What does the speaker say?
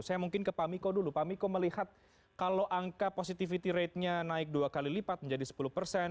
saya mungkin ke pak miko dulu pak miko melihat kalau angka positivity ratenya naik dua kali lipat menjadi sepuluh persen